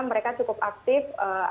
mereka cukup aktif